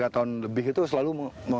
tiga tahun lebih itu selalu